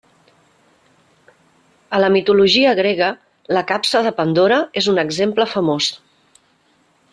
A la mitologia grega la capsa de Pandora és un exemple famós.